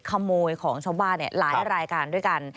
ขโมยของชาวบ้านหลายรายการด้วยกัน